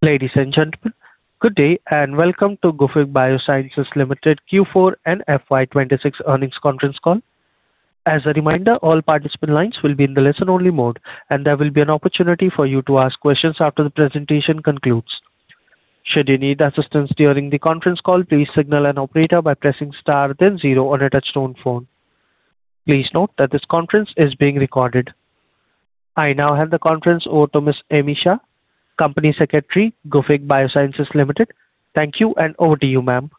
Ladies and gentlemen, good day. Welcome to Gufic Biosciences Limited Q4 and FY 2026 Earnings Conference Call. As a reminder, all participant lines will be in the listen only mode. There will be an opportunity for you to ask questions after the presentation concludes. Should you need assistance during the conference call, please signal an operator by pressing star then zero on a touch-tone phone. Please note that this conference is being recorded. I now hand the conference over to Ms. Ami Shah, Company Secretary, Gufic Biosciences Limited. Thank you. Over to you, ma'am.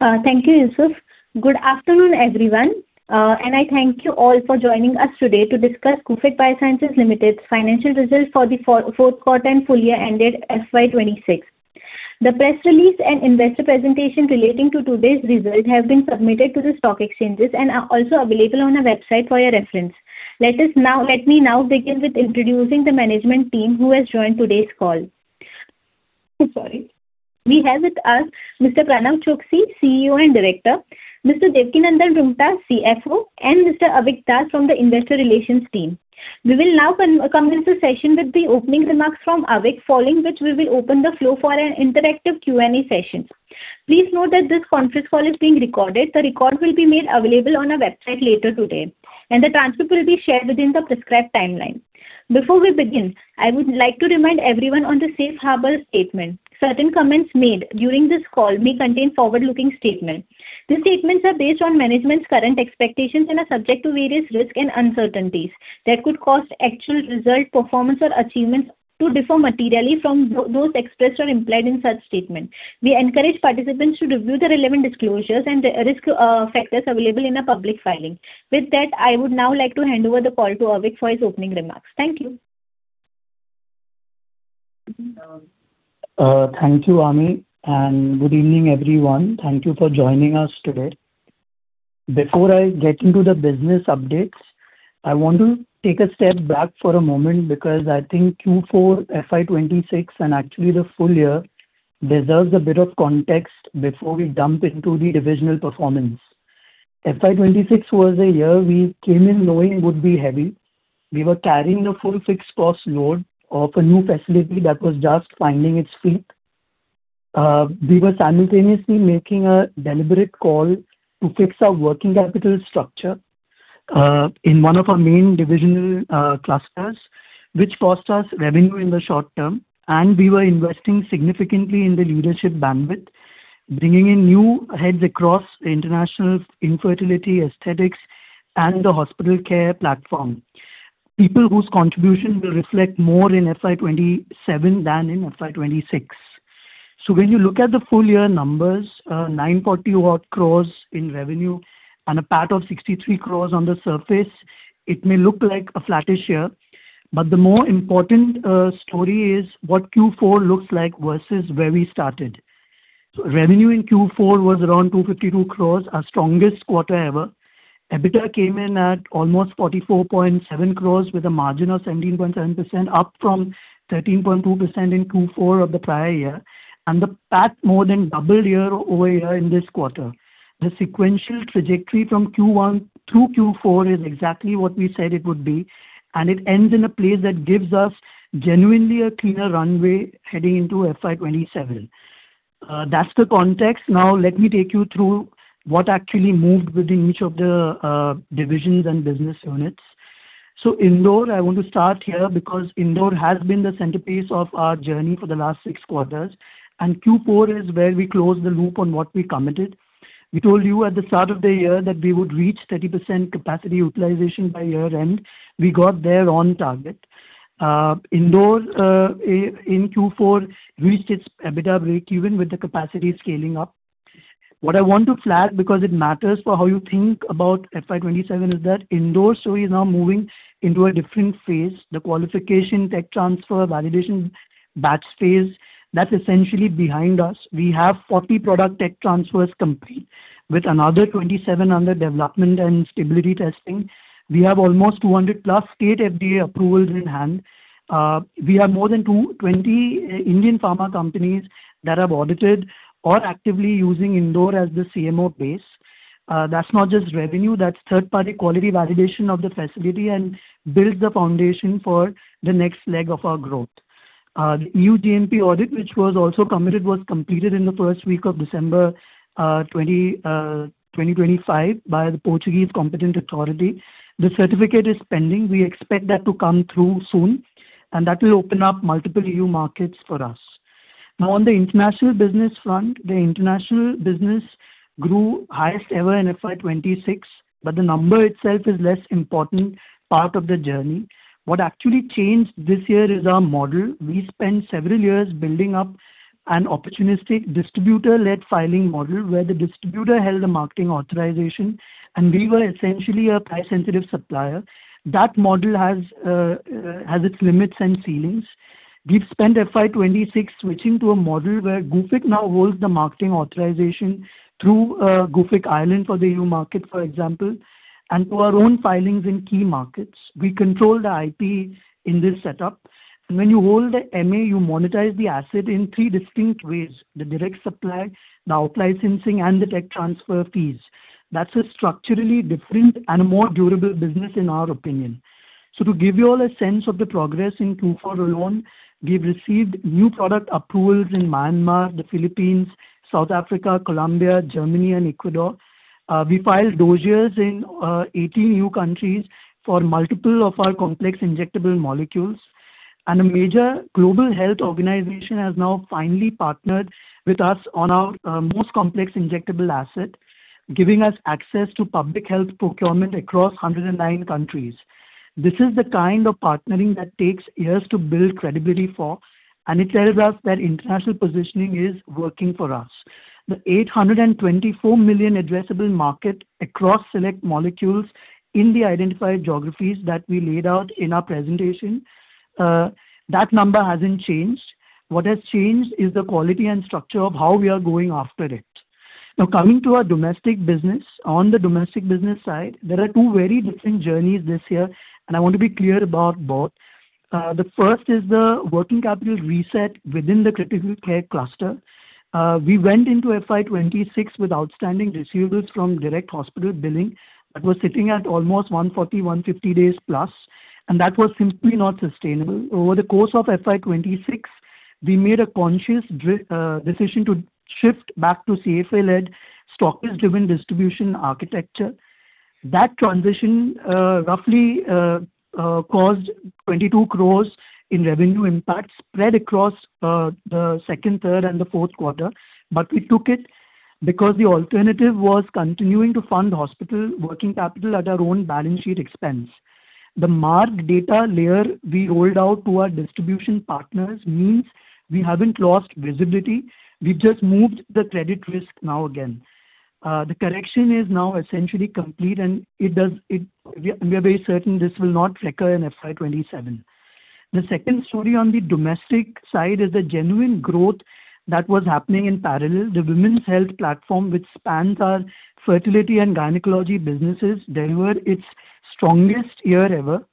Thank you, Yusuf. Good afternoon, everyone. I thank you all for joining us today to discuss Gufic Biosciences Limited's financial results for the fourth quarter and full year ended FY 2026. The press release and investor presentation relating to today's result have been submitted to the stock exchanges and are also available on our website for your reference. Let me now begin with introducing the management team who has joined today's call. Sorry. We have with us Mr. Pranav Choksi, CEO and Director, Mr. Devkinandan Roonghta, CFO, and Mr. Avik Das from the investor relations team. We will now commence the session with the opening remarks from Avik, following which we will open the floor for an interactive Q&A session. Please note that this conference call is being recorded. The record will be made available on our website later today. The transcript will be shared within the prescribed timeline. Before we begin, I would like to remind everyone on the safe harbor statement. Certain comments made during this call may contain forward-looking statements. These statements are based on management's current expectations and are subject to various risks and uncertainties that could cause actual result performance or achievements to differ materially from those expressed or implied in such statements. We encourage participants to review the relevant disclosures and risk factors available in our public filing. With that, I would now like to hand over the call to Avik for his opening remarks. Thank you. Thank you, Ami, and good evening, everyone. Thank you for joining us today. Before I get into the business updates, I want to take a step back for a moment because I think Q4 FY 2026, and actually the full year, deserves a bit of context before we jump into the divisional performance. FY 2026 was a year we came in knowing would be heavy. We were carrying the full fixed cost load of a new facility that was just finding its feet. We were simultaneously making a deliberate call to fix our working capital structure in one of our main divisional clusters, which cost us revenue in the short term, and we were investing significantly in the leadership bandwidth, bringing in new heads across international infertility, aesthetics, and the hospital care platform. People whose contribution will reflect more in FY 2027 than in FY 2026. When you look at the full year numbers, 940 odd crores in revenue and a PAT of 63 crores on the surface, it may look like a flattish year, but the more important story is what Q4 looks like versus where we started. Revenue in Q4 was around 252 crores, our strongest quarter ever. EBITDA came in at almost 44.7 crores with a margin of 17.7%, up from 13.2% in Q4 of the prior year, and the PAT more than doubled year-over-year in this quarter. The sequential trajectory from Q1 through Q4 is exactly what we said it would be, and it ends in a place that gives us genuinely a cleaner runway heading into FY 2027. That's the context. Let me take you through what actually moved within each of the divisions and business units. [So,] Indore. I want to start here because Indore has been the centerpiece of our journey for the last 6 quarters, and Q4 is where we close the loop on what we committed. We told you at the start of the year that we would reach 30% capacity utilization by year-end. We got there on target. Indore, in Q4, reached its EBITDA break even with the capacity scaling up. What I want to flag, because it matters for how you think about FY 2027, is that Indore story is now moving into a different phase. The qualification tech transfer validation batch phase, that's essentially behind us. We have 40 product tech transfers complete with another 27 under development and stability testing. We have almost 200 plus State FDA approvals in hand. We have more than 220 Indian pharma companies that have audited or actively using Indore as the CMO base. That's not just revenue, that's third party quality validation of the facility and builds the foundation for the next leg of our growth. The EU GMP audit, which was also committed, was completed in the first week of December 2025 by the Portuguese competent authority. The certificate is pending. We expect that to come through soon, and that will open up multiple EU markets for us. On the international business front, the international business grew highest ever in FY 2026, but the number itself is less important part of the journey. What actually changed this year is our model. We spent several years building up an opportunistic distributor-led filing model where the distributor held the marketing authorization and we were essentially a price-sensitive supplier. That model has its limits and ceilings. We've spent FY 2026 switching to a model where Gufic now holds the marketing authorization through Gufic Ireland for the EU market, for example, and through our own filings in key markets. We control the IP in this setup. When you hold the MA, you monetize the asset in three distinct ways, the direct supply, the out licensing, and the tech transfer fees. That's a structurally different and more durable business in our opinion. To give you all a sense of the progress in Q4 alone, we've received new product approvals in Myanmar, the Philippines, South Africa, Colombia, Germany, and Ecuador. We filed dossiers in 18 new countries for multiple of our complex injectable molecules. A major global health organization has now finally partnered with us on our most complex injectable asset, giving us access to public health procurement across 109 countries. This is the kind of partnering that takes years to build credibility for, and it tells us that international positioning is working for us. The 824 million addressable market across select molecules in the identified geographies that we laid out in our presentation, that number hasn't changed. What has changed is the quality and structure of how we are going after it. Now coming to our domestic business. On the domestic business side, there are two very different journeys this year, and I want to be clear about both. The first is the working capital reset within the critical care cluster. We went into FY 2026 with outstanding receivables from direct hospital billing that was sitting at almost 140-150 days plus, and that was simply not sustainable. Over the course of FY 2026, we made a conscious decision to shift back to CFA-led, stockist-driven distribution architecture. That transition roughly caused 22 crores in revenue impact spread across the second, third, and the fourth quarter. We took it because the alternative was continuing to fund hospital working capital at our own balance sheet expense. The market data layer we rolled out to our distribution partners means we haven't lost visibility. We've just moved the credit risk now again. The correction is now essentially complete, and we are very certain this will not recur in FY 2027. The second story on the domestic side is the genuine growth that was happening in parallel. The women's health platform, which spans our fertility and gynecology businesses, delivered its strongest year ever.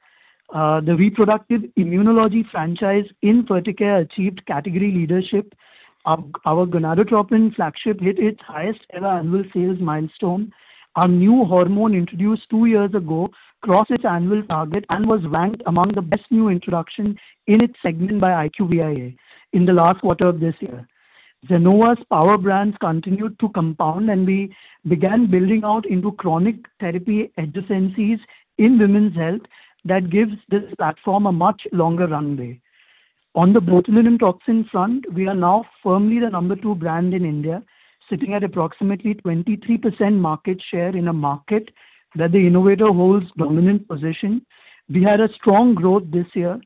The reproductive immunology franchise in Ferticare achieved category leadership. Our gonadotropin flagship hit its highest-ever annual sales milestone. Our new hormone, introduced two years ago, crossed its annual target and was ranked among the best new introduction in its segment by IQVIA in the last quarter of this year. Zenova's power brands continued to compound, and we began building out into chronic therapy adjacencies in women's health that gives this platform a much longer runway. On the botulinum toxin front, we are now firmly the number 2 brand in India, sitting at approximately 23% market share in a market that the innovator holds dominant position. We had a strong growth this year.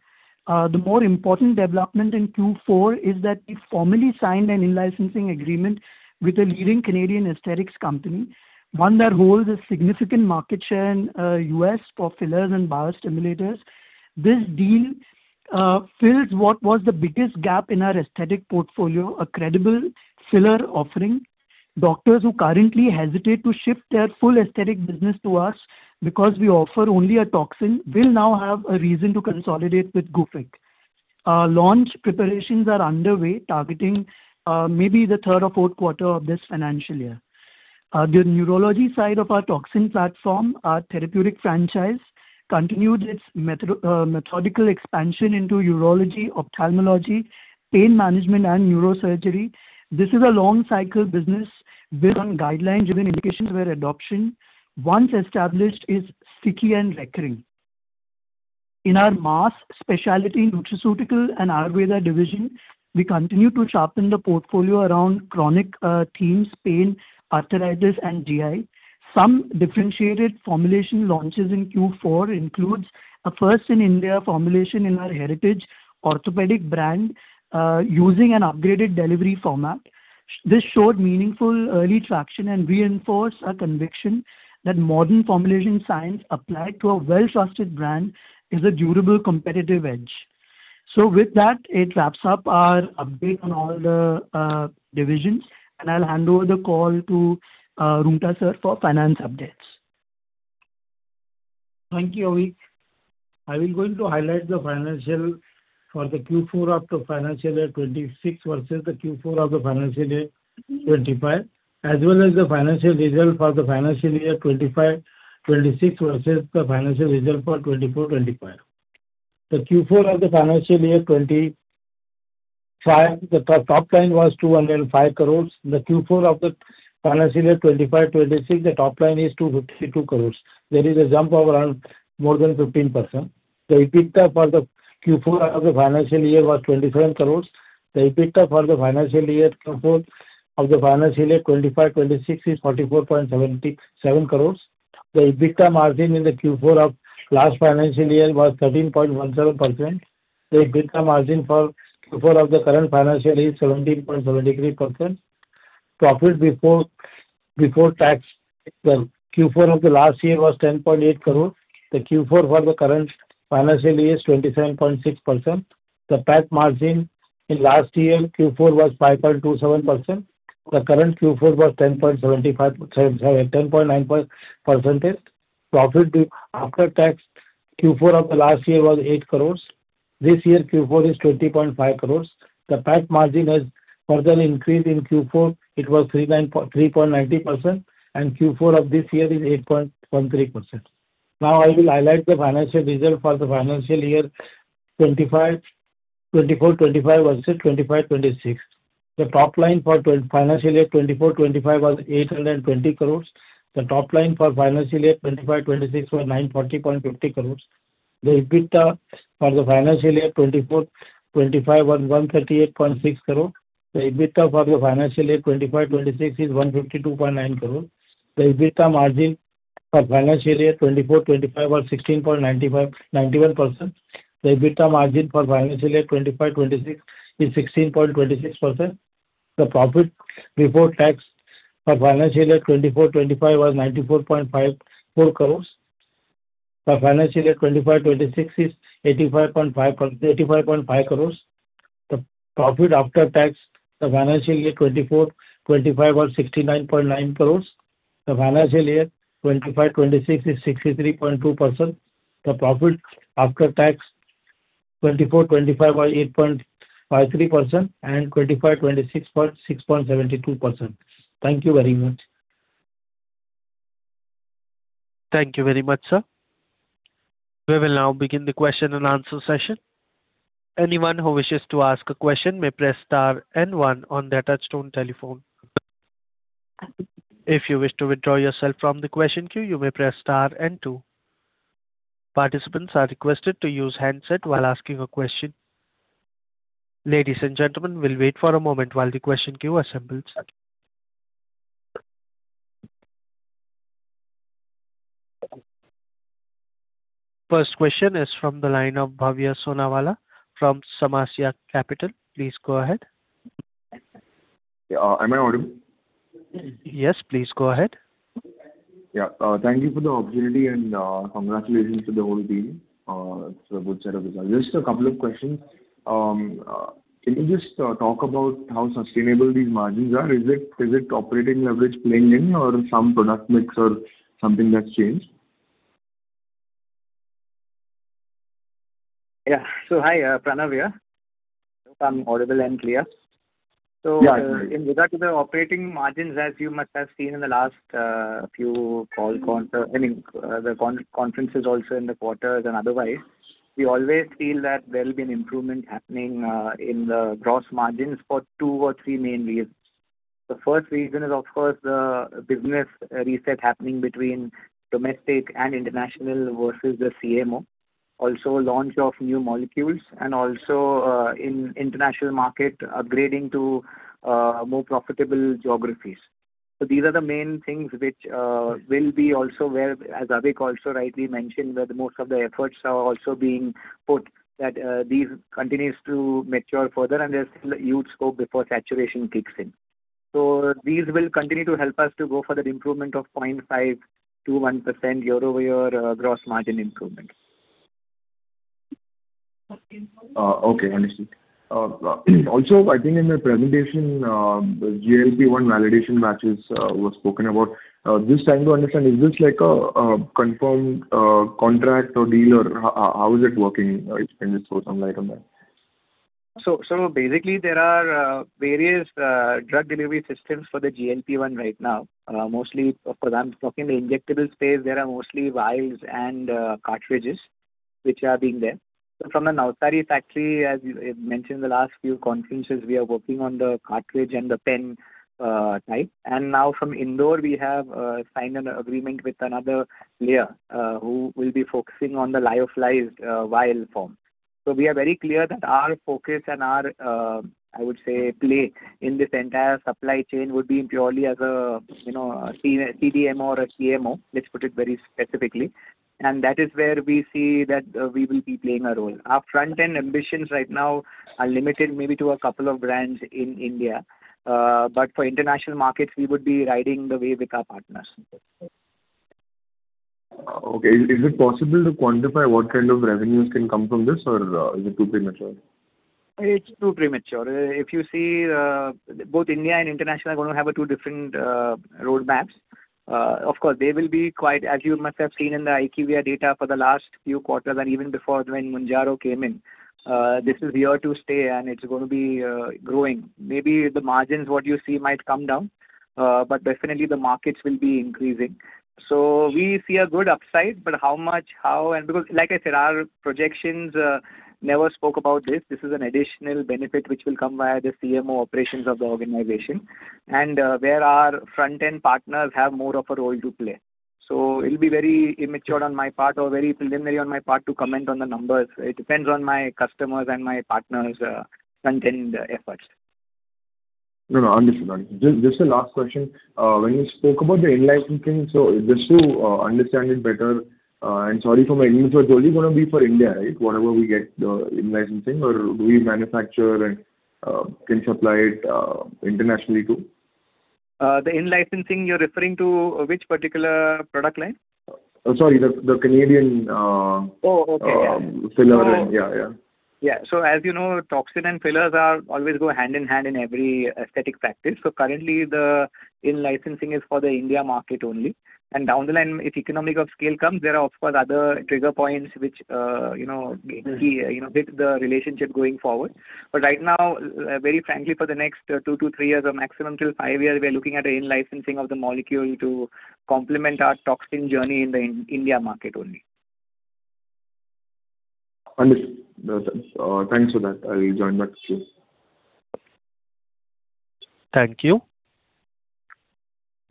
The more important development in Q4 is that we formally signed an in-licensing agreement with a leading Canadian aesthetics company, one that holds a significant market share in U.S. for fillers and biostimulators. This deal fills what was the biggest gap in our aesthetic portfolio, a credible filler offering. Doctors who currently hesitate to shift their full aesthetic business to us because we offer only a toxin will now have a reason to consolidate with Gufic. Our launch preparations are underway, targeting maybe the third or fourth quarter of this financial year. The neurology side of our toxin platform, our therapeutic franchise, continued its methodical expansion into urology, ophthalmology, pain management, and neurosurgery. This is a long-cycle business built on guideline-driven indications where adoption, once established, is sticky and recurring. In our mass speciality nutraceutical and Ayurveda division, we continue to sharpen the portfolio around chronic themes, pain, arthritis, and GI. Some differentiated formulation launches in Q4 includes a first-in-India formulation in our heritage orthopedic brand using an upgraded delivery format. This showed meaningful early traction and reinforced our conviction that modern formulation science applied to a well-trusted brand is a durable competitive edge. With that, it wraps up our update on all the divisions, and I'll hand over the call to Roonghta sir for finance updates. Thank you, Avik. I will going to highlight the financial for the Q4 of FY 2026 versus the Q4 of FY 2025, as well as the financial result for FY 2025/2026 versus the financial result for FY 2024/2025. The Q4 of FY 2025, the top line was 205 crore. The Q4 of FY 2025/2026, the top line is 252 crore. There is a jump of around more than 15%. The EBITDA for the Q4 of the financial year was 27 crore. The EBITDA for the financial year Q4 of FY 2025-2026 is 44.77 crore. The EBITDA margin in the Q4 of last financial year was 13.17%. The EBITDA margin for Q4 of the current financial year is 17.73%. Profit before tax, Q4 of the last year was 10.8 crore. The Q4 for the current financial year is 27.6%. The PAT margin in last year, Q4, was 5.27%. The current Q4 was 10.9%. Profit after tax Q4 of the last year was 8 crore. This year, Q4 is 20.5 crore. The PAT margin has further increased in Q4. It was 3.90%, and Q4 of this year is 8.3%. Now I will highlight the financial results for the financial year 2024/2025 versus 2025/2026. The top line for financial year 2024/2025 was INR 820 crore. The top line for financial year 2025/2026 was INR 940.50 crore. The EBITDA for the financial year 2024/2025 was INR 138.6 crore. The EBITDA for the financial year 2025/2026 is INR 152.9 crore. The EBITDA margin for financial year 2024/2025 was 16.91%. The EBITDA margin for financial year 2025/2026 is 16.26%. The profit before tax for financial year 2024/2025 was 94.54 crore. For financial year 2025/2026, it's 85.5 crore. The profit after tax for financial year 2024/2025 was 69.9 crore. For financial year 2025/2026, it's 63.2%. The profit after tax 2024/2025 was 8.53% and 2025/2026 was 6.72%. Thank you very much. Thank you very much, sir. We will now begin the question and answer session. Anyone who wishes to ask a question may press star and one on their touchtone telephone. If you wish to withdraw yourself from the question queue, you may press star and two. Participants are requested to use handset while asking a question. Ladies and gentlemen, we will wait for a moment while the question queue assembles. First question is from the line of Bhavya Sonawala from Samaasa Capital. Please go ahead. Am I audible? Yes, please go ahead. Yeah. Thank you for the opportunity and congratulations to the whole team. It's a good set of results. Just a couple of questions. Can you just talk about how sustainable these margins are? Is it operating leverage playing in or some product mix or something that's changed? Hi, Pranav here. Hope I'm audible and clear. Yeah. In regard to the operating margins, as you must have seen in the last few conferences also in the quarters and otherwise, we always feel that there will be an improvement happening in the gross margins for two or three main reasons. The first reason is, of course, the business reset happening between domestic and international versus the CMO. Launch of new molecules and also in international market upgrading to more profitable geographies. These are the main things which will be also where, as Avik also rightly mentioned, where the most of the efforts are also being put that these continues to mature further, and there's still huge scope before saturation kicks in. These will continue to help us to go for that improvement of 0.5%-1% year-over-year gross margin improvement. Okay, understood. I think in the presentation, the GLP-1 validation batches were spoken about. Just trying to understand, is this like a confirmed contract or deal, or how is it working? If you can just throw some light on that. Basically, there are various drug delivery systems for the GLP-1 right now. Mostly, of course, I'm talking the injectable space, there are mostly vials and cartridges which are being there. From the Navsari factory, as mentioned in the last few conferences, we are working on the cartridge and the pen type. Now from Indore, we have signed an agreement with another player who will be focusing on the lyophilized vial form. We are very clear that our focus and our, I would say, play in this entire supply chain would be purely as a CDMO or a CMO, let's put it very specifically. That is where we see that we will be playing a role. Our front-end ambitions right now are limited maybe to a couple of brands in India. For international markets, we would be riding the wave with our partners. Okay. Is it possible to quantify what kind of revenues can come from this or is it too premature? It's too premature. If you see, both India and international are going to have a two different roadmaps. Of course, they will be quite, as you must have seen in the IQVIA data for the last few quarters and even before when MOUNJARO came in. This is here to stay and it's going to be growing. Maybe the margins, what you see might come down. Definitely the markets will be increasing. We see a good upside, but how much? Like I said, our projections never spoke about this. This is an additional benefit which will come via the CMO operations of the organization and where our front-end partners have more of a role to play. It'll be very immature on my part or very preliminary on my part to comment on the numbers. It depends on my customers and my partners' front-end efforts. No, understood. Just a last question. When you spoke about the in-licensing, just to understand it better and sorry for my English, it's only going to be for India, right? Whatever we get the in-licensing or do we manufacture and can supply it internationally too? The in-licensing you're referring to which particular product line? Sorry. Oh, okay. Yeah. As you know, toxin and fillers always go hand in hand in every aesthetic practice. Currently, the in-licensing is for the India market only, and down the line, if economy of scale comes, there are of course other trigger points which hit the relationship going forward. Right now, very frankly, for the next 2-3 years or maximum till 5 years, we are looking at in-licensing of the molecule to complement our toxin journey in the India market only. Understood. Thanks for that. I'll join back, please. Thank you.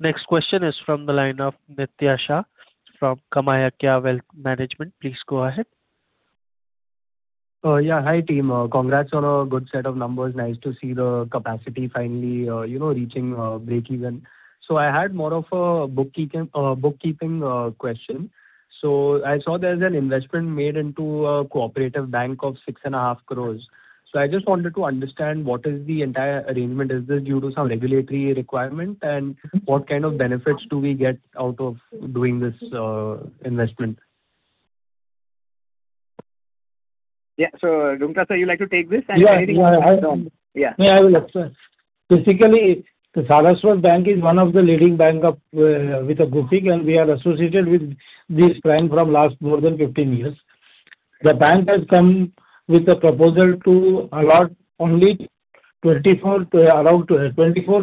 Next question is from the line of Nitya Shah from KamayaKya Wealth Management. Please go ahead. Yeah. Hi, team. Congrats on a good set of numbers. Nice to see the capacity finally reaching breakeven. I had more of a bookkeeping question. I saw there is an investment made into a cooperative bank of 6.5 crores. I just wanted to understand what is the entire arrangement. Is this due to some regulatory requirement, and what kind of benefits do we get out of doing this investment? Yeah. Roonghta. Sir, you like to take this? Yeah. Yeah. No, I will explain. Basically, Saraswat Bank is one of the leading banks with Gufic, and we are associated with this bank for more than 15 years. The bank has come with a proposal to allot only 24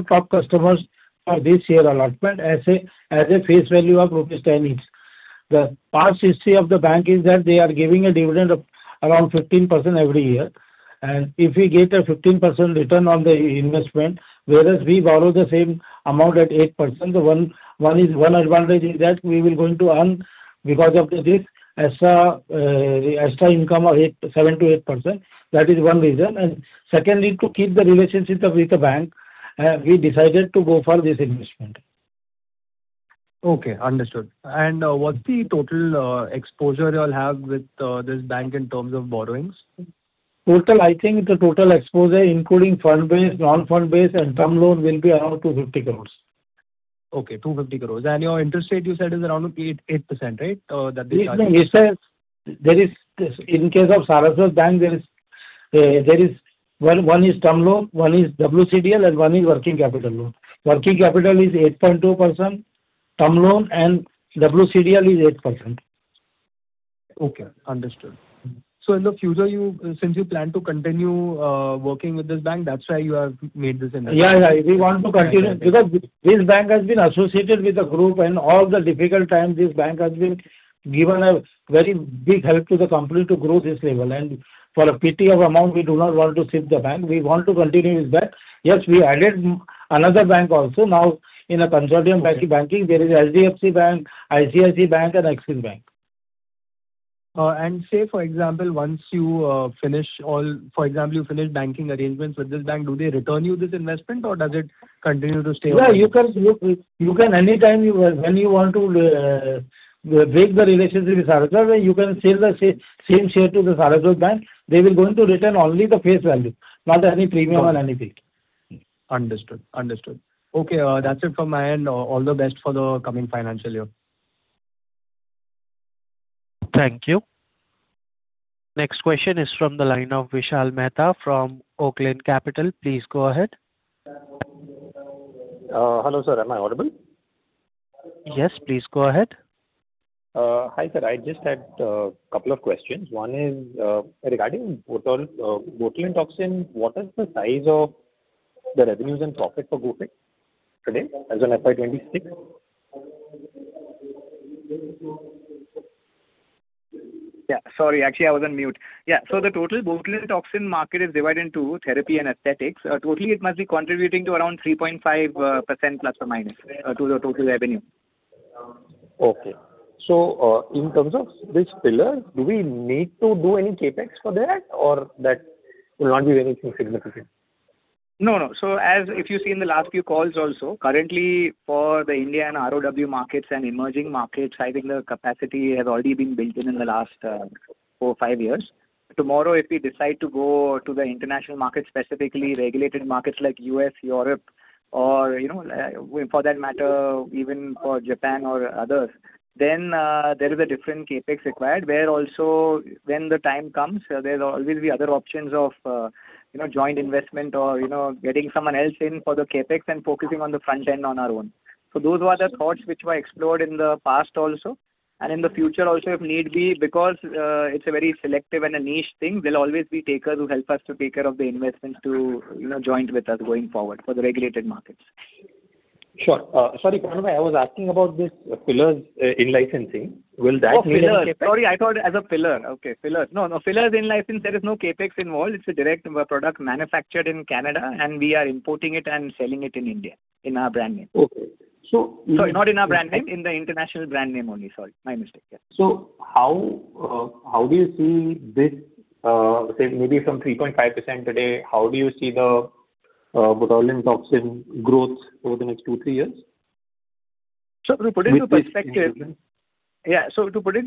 top customers for this year allotment as a face value of rupees 10 each. The past history of the bank is that they are giving a dividend of around 15% every year. If we get a 15% return on the investment, whereas we borrow the same amount at 8%, one advantage is that we will going to earn because of this extra income of 7%-8%. That is one reason. Secondly, to keep the relationships with the bank, we decided to go for this investment. Okay, understood. What's the total exposure you'll have with this bank in terms of borrowings? Total, I think the total exposure including fund base, non-fund base, and term loan will be around INR 250 crores. Okay, 250 crore. Your interest rate you said is around 8% that they charge, right? In case of Saraswat Bank, one is term loan, one is WCDL, and one is working capital loan. Working capital is 8.2%, term loan and WCDL is 8%. Okay, understood. In the future, since you plan to continue working with this bank, that's why you have made this investment. Yeah. We want to continue because this bank has been associated with the group, and all the difficult times, this bank has given a very big help to the company to grow this level. For a pity of amount, we do not want to leave the bank. We want to continue with bank. Yes, we added another bank also. Now in a consortium banking, there is HDFC Bank, ICICI Bank, and Axis Bank. Say, for example, once you finish banking arrangements with this bank, do they return you this investment or does it continue to stay? You can anytime, when you want to break the relationship with Saraswat, you can sell the same share to the Saraswat Bank. They will going to return only the face value, not any premium or anything. Understood. Okay. That's it from my end. All the best for the coming financial year. Thank you. Next question is from the line of Vishal Mehta from Oaklane Capital. Please go ahead. Hello, sir. Am I audible? Yes. Please go ahead. Hi, sir. I just had a couple of questions. One is regarding botulinum toxin. What is the size of the revenues and profit for Gufic today as an FY 2026? Yeah. Sorry, actually, I was on mute. Yeah. The total botulinum toxin market is divided in two, therapy and aesthetics. Totally, it must be contributing to around 3.5% ± to the total revenue. Okay. In terms of this filler, do we need to do any CapEx for that or that will not be anything significant? No. As if you see in the last few calls also, currently for the India and ROW markets and emerging markets, I think the capacity has already been built in the last four, five years. Tomorrow, if we decide to go to the international market, specifically regulated markets like U.S., Europe or for that matter, even for Japan or others, there is a different CapEx required where also when the time comes, there will always be other options of joint investment or getting someone else in for the CapEx and focusing on the front end on our own. Those were the thoughts which were explored in the past also, and in the future also, if need be, because it's a very selective and a niche thing, there'll always be takers who help us to take care of the investment to joint with us going forward for the regulated markets. Sure. Sorry, Pranav, I was asking about this fillers in-licensing. Will that need a CapEx? Oh, fillers. Sorry, I thought as a pillar. Okay, fillers. fillers in-license, there is no CapEx involved. It's a direct product manufactured in Canada, and we are importing it and selling it in India in our brand name. Okay. Sorry, not in our brand name, in the international brand name only. Sorry. My mistake. Yeah. How do you see this, say maybe from 3.5% today, how do you see the botulinum toxin growth over the next two, three years? To put it into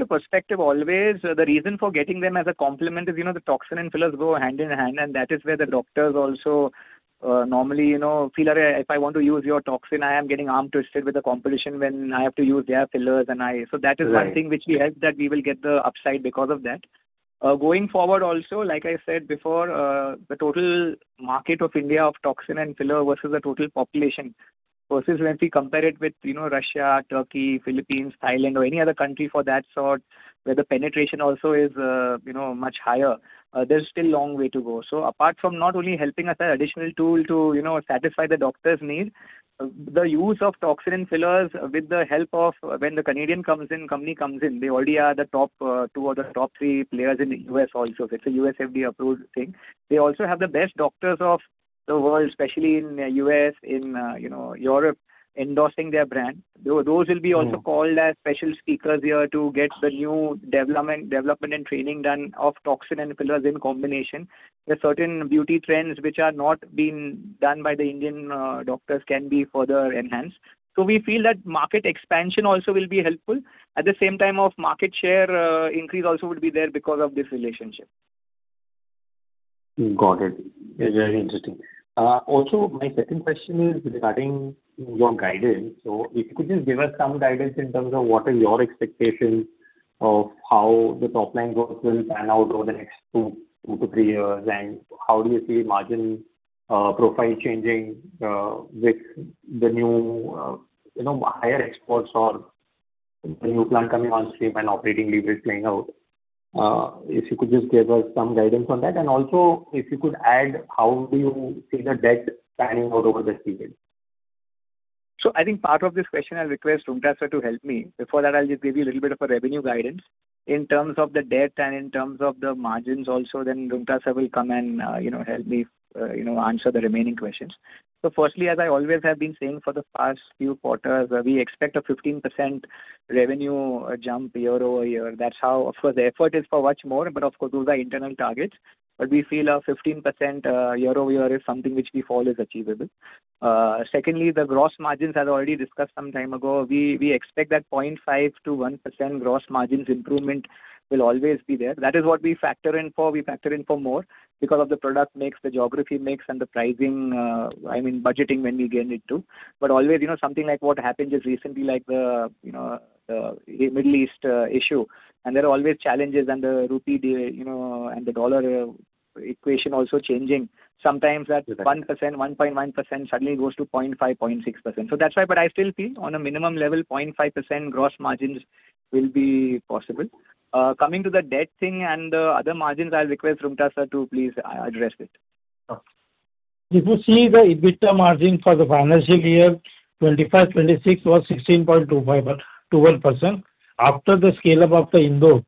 perspective, always the reason for getting them as a compliment is the toxin and fillers go hand in hand, and that is where the doctors also normally feel, if I want to use your toxin, I am getting arm twisted with the compulsion when I have to use their fillers. Going forward also, like I said before, the total market of India of toxin and filler versus the total population versus when we compare it with Russia, Turkey, Philippines, Thailand, or any other country for that sort, where the penetration also is much higher, there's still a long way to go. Apart from not only helping as an additional tool to satisfy the doctor's needs, the use of toxin and fillers with the help of when the Canadian company comes in, they already are the top two or the top three players in the U.S. also. It's a U.S. FDA approved thing. They also have the best doctors of the world, especially in U.S., in Europe, endorsing their brand. Those will be also called as special speakers here to get the new development and training done of toxin and fillers in combination. The certain beauty trends which are not being done by the Indian doctors can be further enhanced. We feel that market expansion also will be helpful. At the same time of market share increase also would be there because of this relationship. Got it. Very interesting. My second question is regarding your guidance. If you could just give us some guidance in terms of what are your expectations of how the top line growth will pan out over the next 2-3 years, and how do you see margin profile changing with the new higher exports or the new plant coming on stream and operating levers playing out. If you could just give us some guidance on that. If you could add how do you see the debt panning out over this period? I think part of this question I'll request Roonghta sir to help me. Before that, I'll just give you a little bit of a revenue guidance in terms of the debt and in terms of the margins also. Roonghta sir will come and help me answer the remaining questions. Firstly, as I always have been saying for the past few quarters, we expect a 15% revenue jump year-over-year. Of course, the effort is for much more, but of course, those are internal targets, but we feel a 15% year-over-year is something which we feel is achievable. Secondly, the gross margins, as already discussed some time ago, we expect that 0.5%-1% gross margins improvement will always be there. That is what we factor in for. We factor in for more because of the product mix, the geography mix, and the budgeting when we get it too. Always, something like what happened just recently, like the Middle East issue, and there are always challenges and the rupee and the dollar equation also changing. Sometimes that 1%, 1.1% suddenly goes to 0.5%, 0.6%. That's why, I still feel on a minimum level, 0.5% gross margins will be possible. Coming to the debt thing and other margins, I'll request Roonghta sir to please address it. If you see the EBITDA margin for the financial year 2025/2026 was 16.21%. After the scale-up of the Indore,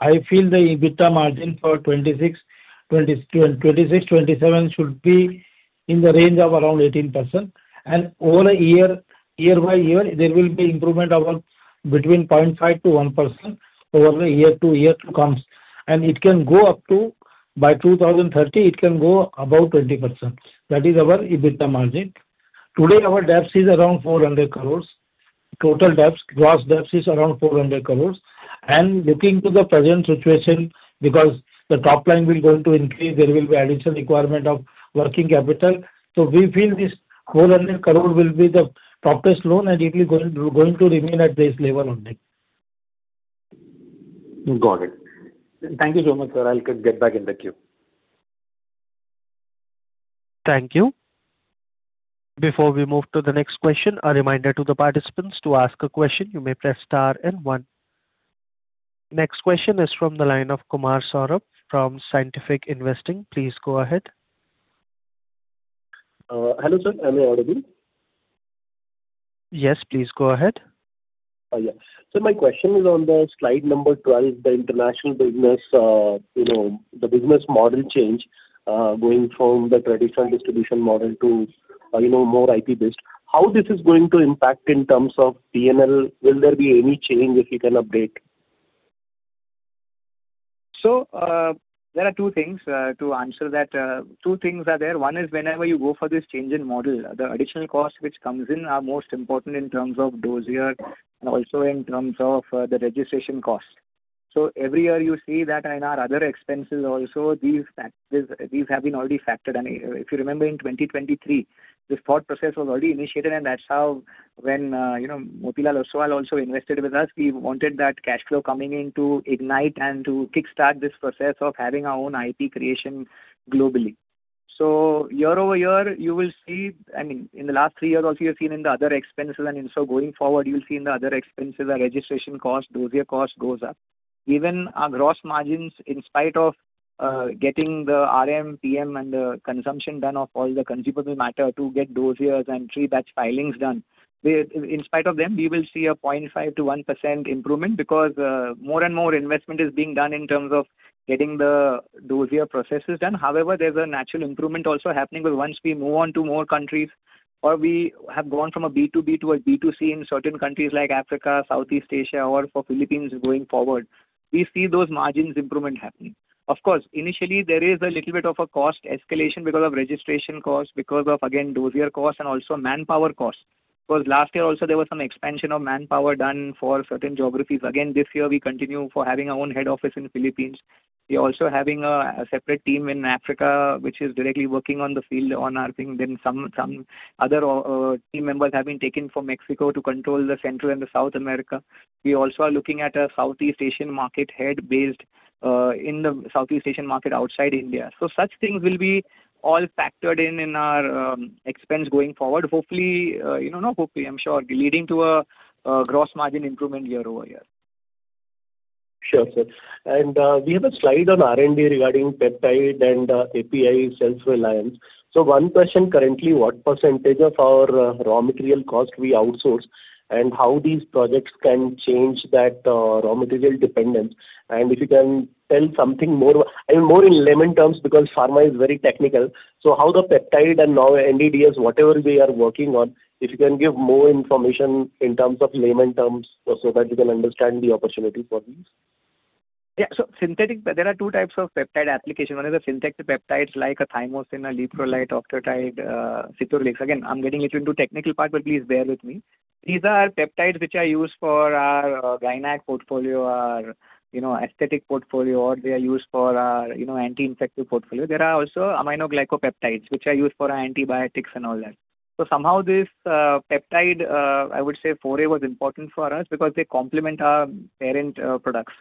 I feel the EBITDA margin for 2026/2027 should be in the range of around 18%. Over year-by-year, there will be improvement of between 0.5%-1% over the year-to-year. By 2030, it can go above 20%. That is our EBITDA margin. Today, our debt is around 400 crore. Total gross debt is around 400 crore. Looking to the present situation, because the top line will going to increase, there will be additional requirement of working capital. We feel this 400 crore will be the toughest loan and it is going to remain at this level only. Got it. Thank you so much, sir. I'll get back in the queue. Thank you. Before we move to the next question, a reminder to the participants to ask a question, you may press star and one. Next question is from the line of Kumar Saurabh from Scientific Investing. Please go ahead. Hello, sir. Am I audible? Yes, please go ahead. Yes. My question is on the slide number 12, the international business, the business model change, going from the traditional distribution model to more IP based. How this is going to impact in terms of P&L? Will there be any change, if you can update? There are two things to answer that. Two things are there. One is whenever you go for this change in model, the additional costs which comes in are most important in terms of dossier and also in terms of the registration cost. Every year you see that in our other expenses also, these have been already factored in. If you remember in 2023, this thought process was already initiated, and that's how when Motilal Oswal also invested with us, we wanted that cash flow coming in to ignite and to kickstart this process of having our own IP creation globally. Year-over-year, you will see, I mean, in the last three years also, you've seen in the other expenses, going forward, you'll see in the other expenses, our registration cost, dossier cost goes up. Even our gross margins, in spite of getting the RM, PM and the consumption done of all the consumable matter to get dossiers and three batch filings done. In spite of them, we will see a 0.5%-1% improvement because more and more investment is being done in terms of getting the dossier processes done. There's a natural improvement also happening because once we move on to more countries or we have gone from a B2B to a B2C in certain countries like Africa, Southeast Asia, or for Philippines going forward, we see those margins improvement happening. Of course, initially there is a little bit of a cost escalation because of registration cost, because of, again, dossier cost and also manpower cost. Of course, last year also there was some expansion of manpower done for certain geographies. Again, this year we continue for having our own head office in the Philippines. We are also having a separate team in Africa, which is directly working on the field on our thing. Some other team members have been taken from Mexico to control the Central and the South America. We also are looking at a Southeast Asian market head based in the Southeast Asian market outside India. Such things will be all factored in our expense going forward. Hopefully, I'm sure leading to a gross margin improvement year-over-year. Sure, sir. We have a slide on R&D regarding peptide and API self-reliance. One question, currently what % of our raw material cost we outsource, and how these projects can change that raw material dependence? If you can tell something more in layman terms, because pharma is very technical. How the peptide and now NDDS, whatever they are working on, if you can give more information in terms of layman terms so that we can understand the opportunity for these. Yeah. There are 2 types of peptide application. One is a synthetic peptides like thymosin, leuprolide, octreotide, cetrorelix. I'm getting little into technical part, but please bear with me. These are peptides which are used for our gynac portfolio, our aesthetic portfolio, or they are used for our anti-infective portfolio. There are also aminoglycosides, which are used for our antibiotics and all that. Somehow this peptide, I would say foray was important for us because they complement our parent products.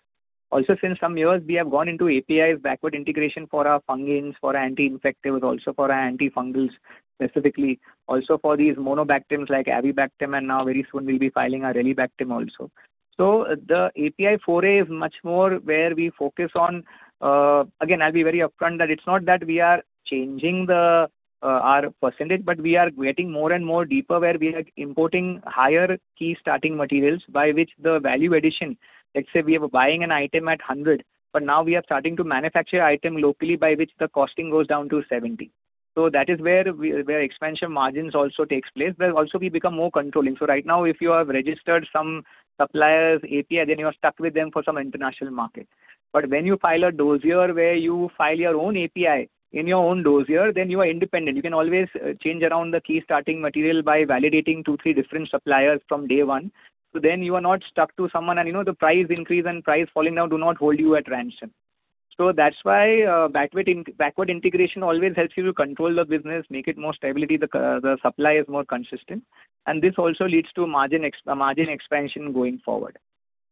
Since some years, we have gone into APIs backward integration for our fungins, for our anti-infectives, also for our antifungals specifically. For these monobactams like avibactam and now very soon we'll be filing our relebactam also. The API foray is much more where we focus on. Again, I'll be very upfront that it's not that we are changing our percentage, but we are getting more and more deeper where we are importing higher key starting materials by which the value addition, let's say we are buying an item at 100, but now we are starting to manufacture item locally by which the costing goes down to 70. That is where expansion margins also takes place. Also we become more controlling. Right now if you have registered some suppliers API, then you are stuck with them for some international market. When you file a dossier where you file your own API in your own dossier, then you are independent. You can always change around the key starting material by validating two, three different suppliers from day one. You are not stuck to someone and you know the price increase and price falling now do not hold you at ransom. That's why backward integration always helps you to control the business, make it more stability, the supply is more consistent, and this also leads to margin expansion going forward.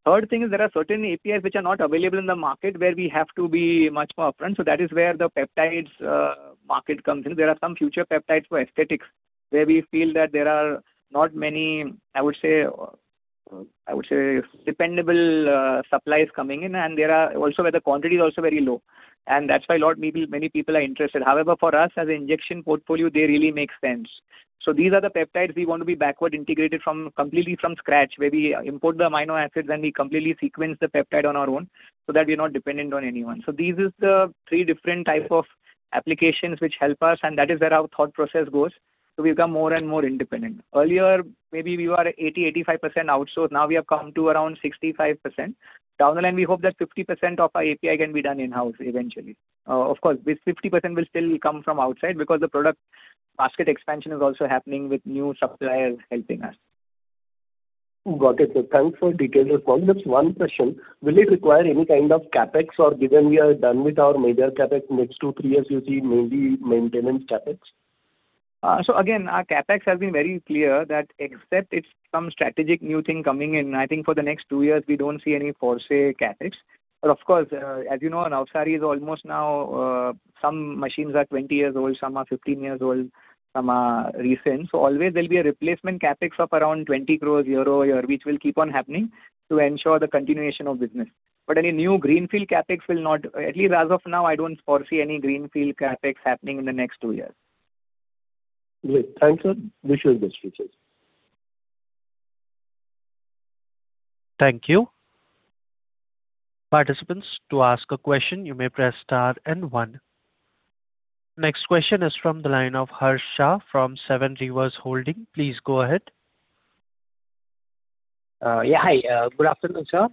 Third thing is there are certain APIs which are not available in the market where we have to be much more upfront. That is where the peptides market comes in. There are some future peptides for aesthetics where we feel that there are not many, I would say, dependable supplies coming in, and there are also where the quantity is also very low, and that's why lot maybe many people are interested. However, for us as injection portfolio, they really make sense. These are the peptides we want to be backward integrated completely from scratch, where we import the amino acids and we completely sequence the peptide on our own so that we're not dependent on anyone. This is the 3 different type of applications which help us, and that is where our thought process goes. We become more and more independent. Earlier, maybe we were 80%-85% outsourced. Now we have come to around 65%. Down the line, we hope that 50% of our API can be done in-house eventually. Of course, this 50% will still come from outside because the product basket expansion is also happening with new suppliers helping us. Got it, sir. Thanks for detailed response. Just one question. Will it require any kind of CapEx or given we are done with our major CapEx, next two, three years you see maybe maintenance CapEx? Again, our CapEx has been very clear that except it's some strategic new thing coming in, I think for the next 2 years we don't see any foresee CapEx. Of course, as you know, Navsari is almost now some machines are 20 years old, some are 15 years old, some are recent. Always there'll be a replacement CapEx of around INR 20 crore year-over-year, which will keep on happening to ensure the continuation of business. At least as of now, I don't foresee any greenfield CapEx happening in the next 2 years. Great. Thanks, sir. Wish you the best for future. Thank you. Participants, to ask a question, you may press star and one. Next question is from the line of Harsh Shah from Seven Rivers Holding. Please go ahead. Yeah. Hi, good afternoon, sir.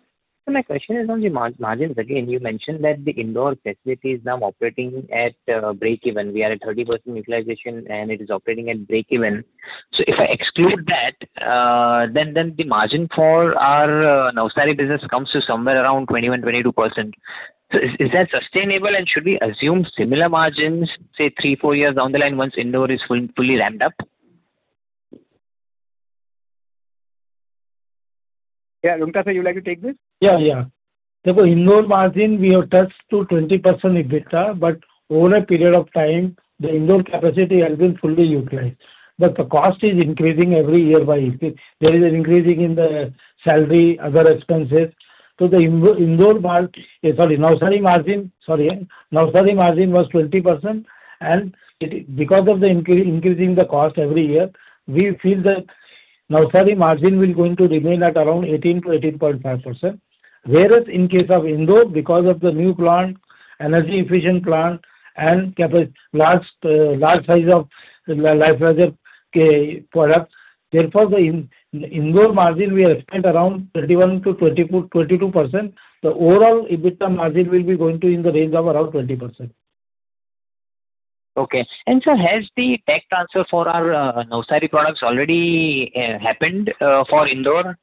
My question is on the margins. Again, you mentioned that the Indore facility is now operating at breakeven. We are at 30% utilization and it is operating at breakeven. If I exclude that, then the margin for our Navsari business comes to somewhere around 21%-22%. Is that sustainable and should we assume similar margins, say 3-4 years down the line once Indore is fully ramped up? Yeah. Devkinandan Roonghta sir, you would like to take this? Yeah. Indore margin we have touched to 20% EBITDA, but over a period of time, the Indore capacity has been fully utilized. The cost is increasing every year by 18%. There is an increasing in the salary, other expenses. The Indore margin, sorry, Navsari margin was 20%, and because of the increasing the cost every year, we feel that Navsari margin will going to remain at around 18%-18.5%. Whereas in case of Indore, because of the new plant, energy efficient plant and large size of lyophilized products, therefore the Indore margin we expect around 21%-22%. Overall EBITDA margin will be going to in the range of around 20%. Okay. Sir, has the tech transfer for our Navsari products already happened for Indore?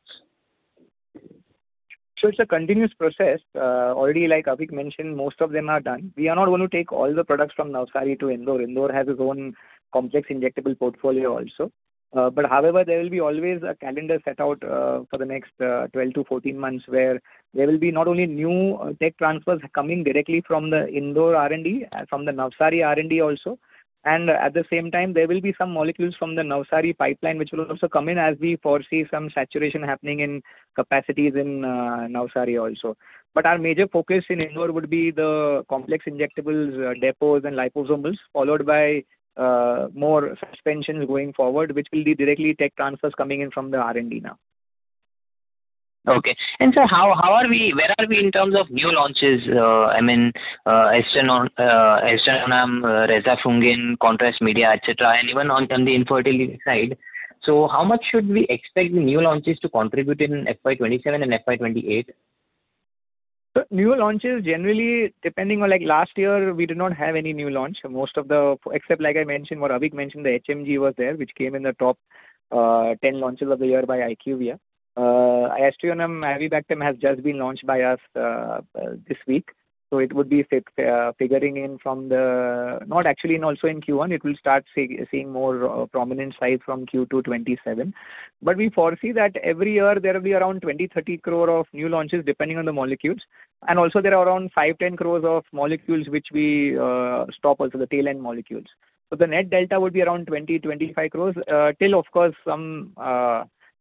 It's a continuous process. Already, like Avik mentioned, most of them are done. We are not going to take all the products from Navsari to Indore. Indore has its own complex injectable portfolio also. However, there will be always a calendar set out for the next 12 to 14 months, where there will be not only new tech transfers coming directly from the Indore R&D, from the Navsari R&D also. At the same time, there will be some molecules from the Navsari pipeline which will also come in as we foresee some saturation happening in capacities in Navsari also. Our major focus in Indore would be the complex injectables, depots and liposomes, followed by more suspensions going forward, which will be directly tech transfers coming in from the R&D now. Okay. Sir, where are we in terms of new launches? I mean, aztreonam, rezafungin, contrast media, et cetera, and even on the infertility side. How much should we expect the new launches to contribute in FY 2027 and FY 2028? Sir, new launches generally, depending on like last year, we did not have any new launch. Except like I mentioned, what Avik mentioned, the HMG was there, which came in the top 10 launches of the year by IQVIA. aztreonam-avibactam has just been launched by us this week. It will start seeing more prominent sales from Q2 2027. We foresee that every year there will be around 20 crore-30 crore of new launches, depending on the molecules. Also there are around five crore-10 crore of molecules which we stop also, the tail end molecules. The net delta would be around 20 crore-25 crore, till of course, some,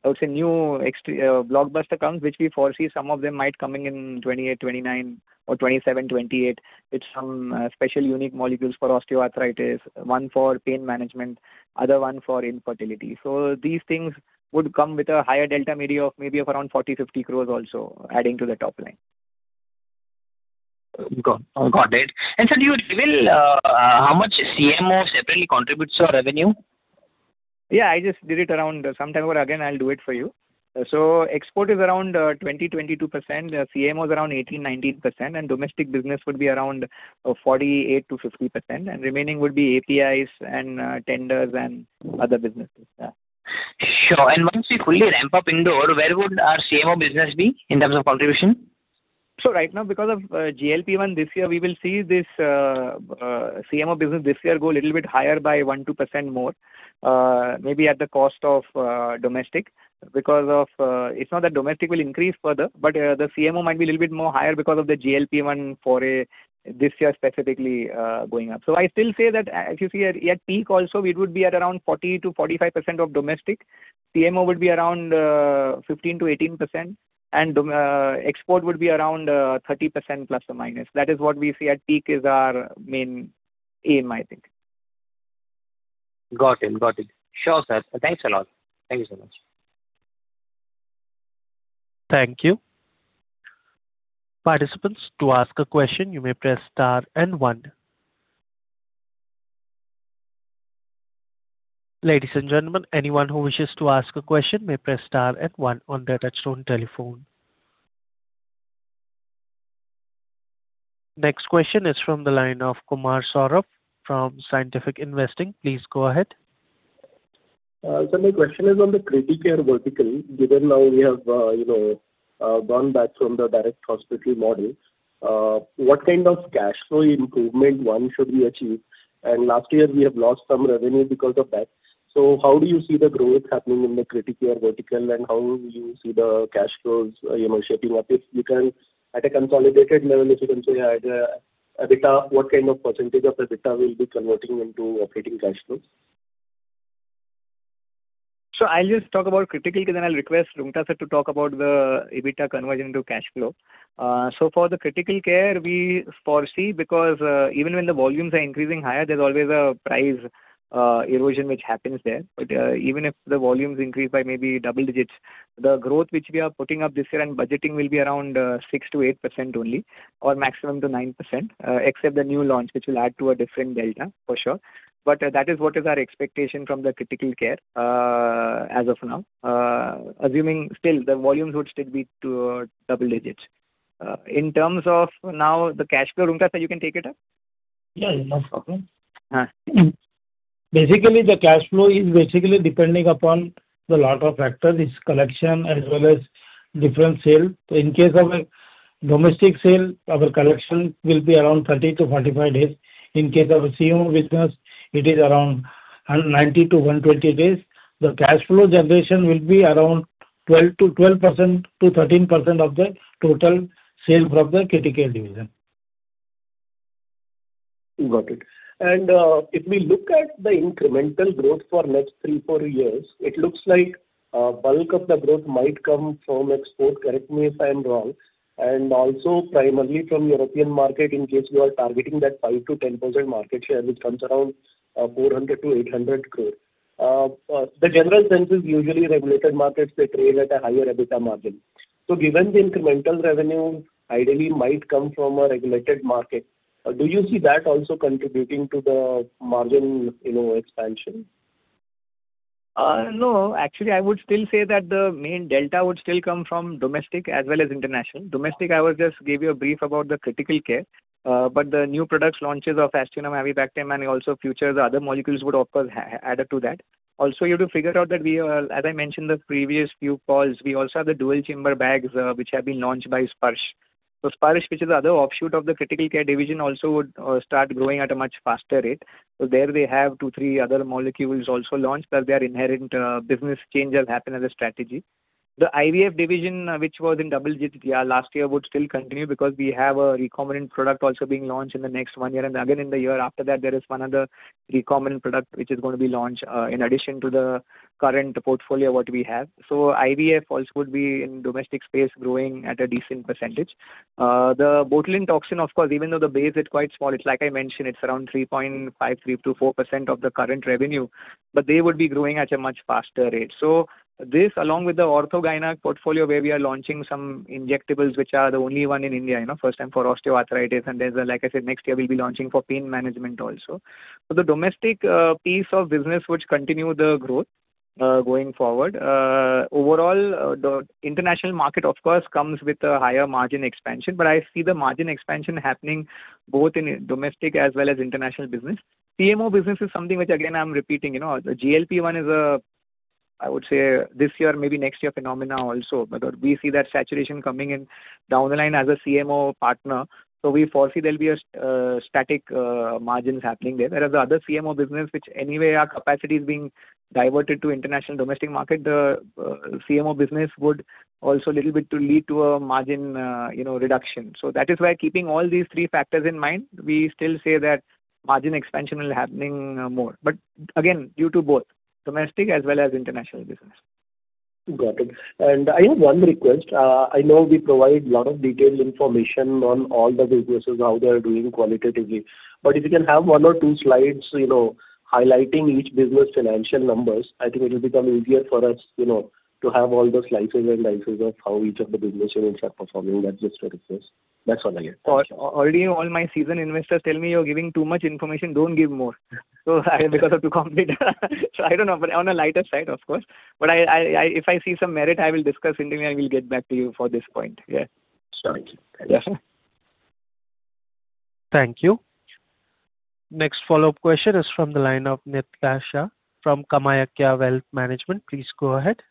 I would say, new blockbuster comes, which we foresee some of them might coming in 2028, 2029 or 2027, 2028, with some special unique molecules for osteoarthritis, one for pain management, other one for infertility. These things would come with a higher delta maybe of around 40 crore-50 crore also adding to the top line. Got it. Sir, do you reveal how much CMO separately contributes to our revenue? Yeah, I just did it around. Sometime over again, I'll do it for you. Export is around 20%-22%, CMO is around 18%-19%, and domestic business would be around 48%-50%, and remaining would be APIs and tenders and other businesses. Yeah. Sure. Once we fully ramp up Indore, where would our CMO business be in terms of contribution? Right now, because of GLP-1 this year, we will see this CMO business this year go a little bit higher by 1%-2% more, maybe at the cost of domestic. It's not that domestic will increase further, but the CMO might be a little bit more higher because of the GLP-1 foray this year specifically going up. I still say that as you see at peak also, it would be at around 40%-45% of domestic. CMO would be around 15%-18%, and export would be around 30% plus or minus. That is what we see at peak is our main aim, I think. Got it. Sure, sir. Thanks a lot. Thank you so much. Thank you. Participants, to ask a question, you may press star and one. Ladies and gentlemen, anyone who wishes to ask a question may press star and one on their touchtone telephone. Next question is from the line of Kumar Saurabh from Scientific Investing. Please go ahead. Sir, my question is on the critical care vertical. Given now we have gone back from the direct-to-hospital model, what kind of cash flow improvement one should we achieve? Last year, we have lost some revenue because of that. How do you see the growth happening in the critical care vertical and how you see the cash flows shaping up? If you can, at a consolidated level, if you can say either EBITDA, what kind of percentage of EBITDA we'll be converting into operating cash flows. I'll just talk about critical care, then I'll request Roonghta sir to talk about the EBITDA conversion to cash flow. For the critical care, we foresee because even when the volumes are increasing higher, there's always a price erosion which happens there. Even if the volumes increase by maybe double digits, the growth which we are putting up this year and budgeting will be around 6%-8% only or maximum to 9%, except the new launch, which will add to a different delta for sure. That is what is our expectation from the critical care as of now, assuming still the volumes would still be to double digits. In terms of now the cash flow, Roonghta sir, you can take it up. Yeah, no problem. Yeah. The cash flow is depending upon the lot of factors, it's collection as well as different sales. In case of a domestic sale, our collection will be around 30-45 days. In case of a CMO business, it is around 90-120 days. The cash flow generation will be around 12%-13% of the total sales of the critical care division. Got it. If we look at the incremental growth for next three, four years, it looks like bulk of the growth might come from export, correct me if I'm wrong, and also primarily from European market in case you are targeting that 5%-10% market share, which comes around 400 crore-800 crore. The general sense is usually regulated markets, they trail at a higher EBITDA margin. Given the incremental revenue ideally might come from a regulated market, do you see that also contributing to the margin expansion? No, actually, I would still say that the main delta would still come from domestic as well as international. Domestic, I will just give you a brief about the critical care, but the new products launches of aztreonam, avibactam and also future other molecules would of course, add up to that. Also, you have to figure out that as I mentioned the previous few calls, we also have the dual chamber bags which have been launched by Sparsh. Sparsh, which is the other offshoot of the critical care division also would start growing at a much faster rate. There we have two, three other molecules also launched as their inherent business change has happened as a strategy. The IVF division which was in double digit last year would still continue because we have a recombinant product also being launched in the next one year and again in the year after that, there is one other recombinant product which is going to be launched in addition to the current portfolio what we have. IVF also would be in domestic space growing at a decent pecentage. The botulinum toxin, of course, even though the base is quite small, it's like I mentioned, it's around 3.53%-4% of the current revenue. They would be growing at a much faster rate. This along with the ortho gyne portfolio where we are launching some injectables which are the only one in India, first time for osteoarthritis and there's, like I said, next year we'll be launching for pain management also. The domestic piece of business which continue the growth going forward. Overall, the international market of course comes with a higher margin expansion. I see the margin expansion happening both in domestic as well as international business. CMO business is something which again I'm repeating. The GLP-1 is a, I would say, this year maybe next year phenomena also. We see that saturation coming in down the line as a CMO partner. We foresee there'll be static margins happening there. Whereas the other CMO business which anyway our capacity is being diverted to international domestic market, the CMO business would also little bit to lead to a margin reduction. That is why keeping all these three factors in mind, we still say that margin expansion will happening more. Again, due to both domestic as well as international business. Got it. I have one request. I know we provide lot of detailed information on all the businesses, how they are doing qualitatively. If you can have one or two slides highlighting each business financial numbers, I think it will become easier for us to have all those slices and dices of how each of the business units are performing. That's just what it is. That's all I get. Already all my seasoned investors tell me you're giving too much information, don't give more. Because of too complicated. I don't know. On a lighter side, of course. If I see some merit, I will discuss internally and will get back to you for this point. Yeah. Sure. Thank you. Yes, sir. Thank you. Next follow-up question is from the line of Nitya Shah from KamayaKya Wealth Management. Please go ahead.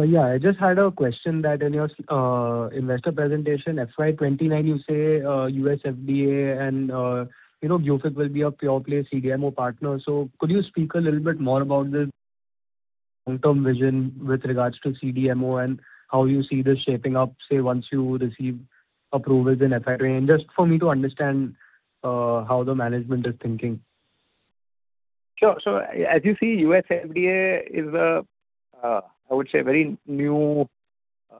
Yeah, I just had a question that in your investor presentation FY 2029 you say USFDA and Gufic will be a pure play CDMO partner. Could you speak a little bit more about this long-term vision with regards to CDMO and how you see this shaping up, say once you receive approvals in FY 2030? Just for me to understand how the management is thinking. Sure. As you see USFDA is a, I would say very new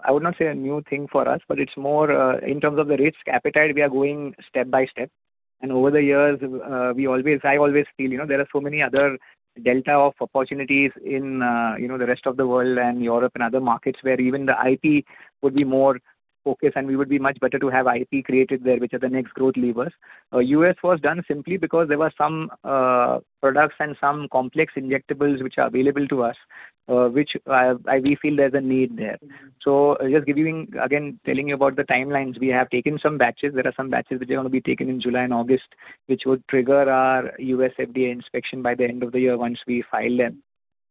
I would not say a new thing for us, but it's more in terms of the risk appetite we are going step by step. Over the years I always feel there are so many other delta of opportunities in the rest of the world and Europe and other markets where even the IP would be more focused and we would be much better to have IP created there which are the next growth levers. U.S. was done simply because there were some products and some complex injectables which are available to us, which we feel there's a need there. Just giving again telling you about the timelines. We have taken some batches. There are some batches which are going to be taken in July and August which would trigger our USFDA inspection by the end of the year once we file them.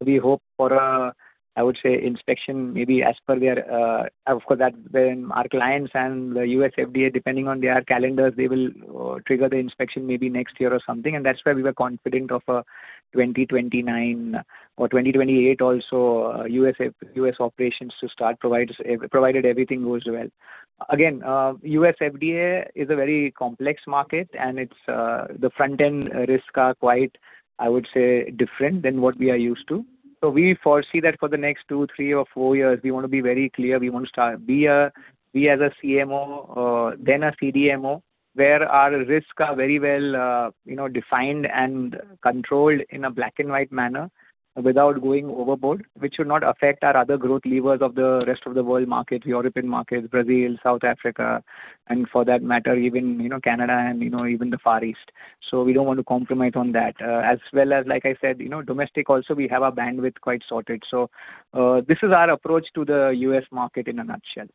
We hope for a, I would say inspection maybe as per their of course, our clients and the USFDA depending on their calendars they will trigger the inspection maybe next year or something and that's why we were confident of 2029 or 2028 also U.S. operations to start provided everything goes well. Again, USFDA is a very complex market and the front end risks are quite, I would say different than what we are used to. We foresee that for the next two, three or four years we want to be very clear. We want to start be as a CMO then a CDMO where our risks are very well defined and controlled in a black and white manner without going overboard, which should not affect our other growth levers of the rest of the world market, European markets, Brazil, South Africa and for that matter even Canada and even the Far East. We don't want to compromise on that. As well as like I said domestic also we have our bandwidth quite sorted. This is our approach to the U.S. market in a nutshell.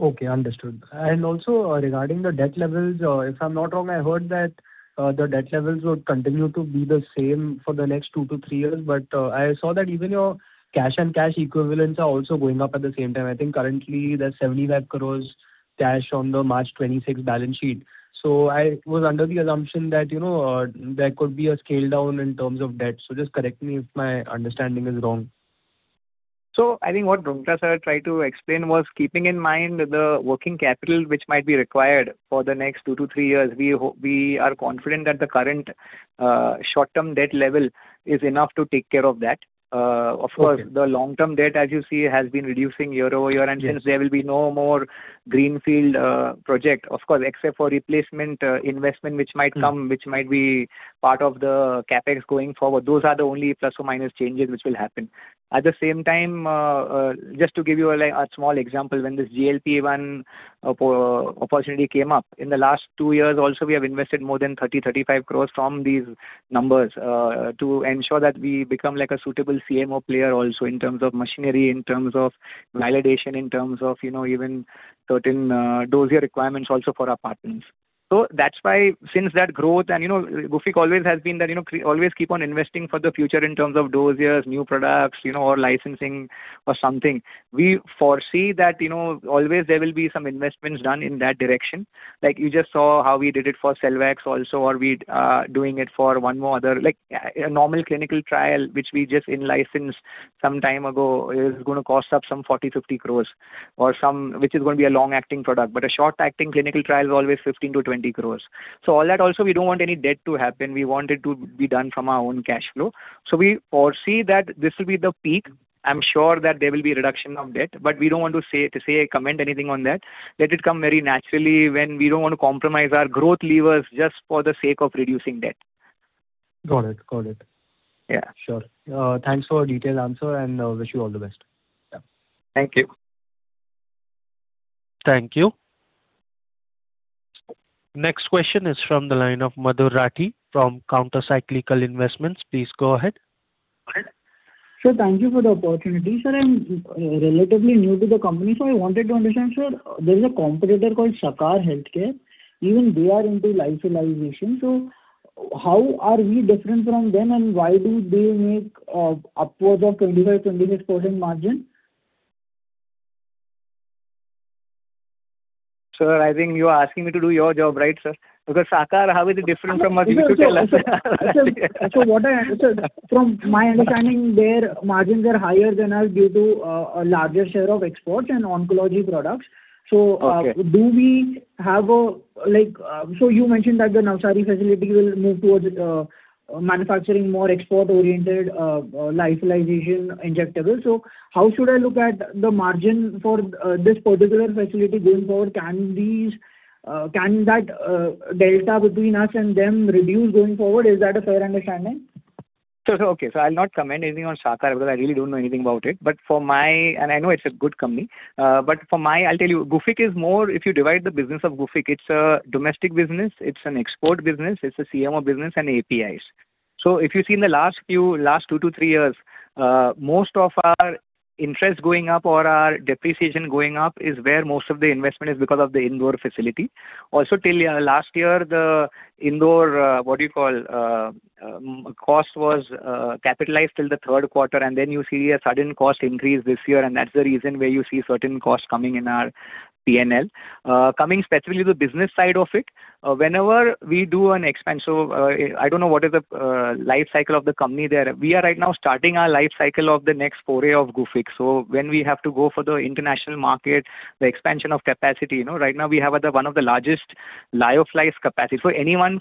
Okay, understood. Regarding the debt levels, if I'm not wrong I heard that the debt levels would continue to be the same for the next two to three years. I saw that even your cash and cash equivalents are also going up at the same time. I think currently there's 75 crores cash on the March 26 balance sheet. I was under the assumption that there could be a scale down in terms of debt. Just correct me if my understanding is wrong. I think what Roonghta sir tried to explain was keeping in mind the working capital which might be required for the next two to three years. We are confident that the current short-term debt level is enough to take care of that. Okay. Of course, the long-term debt as you see has been reducing year over year. Yes. Since there will be no more greenfield project, of course, except for replacement investment which might come, which might be part of the CapEx going forward. Those are the only plus or minus changes which will happen. Just to give you a small example, when this GLP-1 opportunity came up in the last two years also we have invested more than 30 crore, 35 crore from these numbers to ensure that we become like a suitable CMO player also in terms of machinery, in terms of validation, in terms of even certain dossier requirements also for our partners. That's why since that growth and Gufic always has been that always keep on investing for the future in terms of dossiers, new products, or licensing or something. We foresee that always there will be some investments done in that direction. You just saw how we did it for Selvax also, or we doing it for one more other. A normal clinical trial, which we just in-licensed some time ago, is going to cost up some 40-50 crores, which is going to be a long-acting product, but a short-acting clinical trial is always 15-20 crores. All that also, we don't want any debt to happen. We want it to be done from our own cash flow. We foresee that this will be the peak. I'm sure that there will be a reduction of debt, but we don't want to say or comment anything on that. Let it come very naturally when we don't want to compromise our growth levers just for the sake of reducing debt. Got it. Yeah. Sure. Thanks for a detailed answer and wish you all the best. Yeah. Thank you. Thank you. Next question is from the line of Madhur Rathi from Counter Cyclical Investments. Please go ahead. Sir, thank you for the opportunity. Sir, I'm relatively new to the company, so I wanted to understand, sir, there's a competitor called Sakar Healthcare. Even they are into lyophilization. How are we different from them and why do they make upwards of 25%-28% margin? Sir, I think you are asking me to do your job, right sir? Sakar, how is it different from us? You tell us. Sir, from my understanding, their margins are higher than us due to a larger share of exports and oncology products. Okay. You mentioned that the Navsari facility will move towards manufacturing more export-oriented lyophilization injectables. How should I look at the margin for this particular facility going forward? Can that delta between us and them reduce going forward? Is that a fair understanding? Sir, okay. I'll not comment anything on Sakar because I really don't know anything about it. I know it's a good company. I'll tell you, Gufic is more, if you divide the business of Gufic, it's a domestic business, it's an export business, it's a CMO business, and APIs. If you see in the last two to three years, most of our interest going up or our depreciation going up is where most of the investment is because of the Indore facility. Also till last year, the Indore cost was capitalized till the third quarter, and then you see a sudden cost increase this year, and that's the reason where you see certain costs coming in our P&L. Coming specifically the business side of it, I don't know what is the life cycle of the company there. We are right now starting our life cycle of the next foray of Gufic. When we have to go for the international market, the expansion of capacity. Right now we have one of the largest lyophilized capacity. For anyone